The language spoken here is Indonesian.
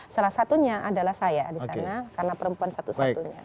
salah satunya adalah saya di sana karena perempuan satu satunya